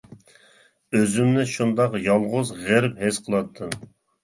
ئۆزۈمنى شۇنداق يالغۇز، غېرىب ھېس قىلاتتىم.